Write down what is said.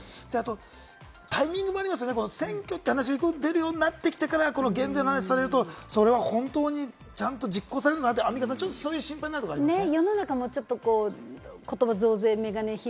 タイミングもありますよね、選挙って話が出るようになってきてから、減税の話をされるとそれは本当にちゃんと実行されるのかなって、アンミカさん、そういう心配になるとこありますよね。